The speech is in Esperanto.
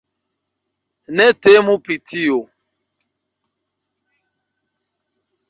Ne temu pri tio.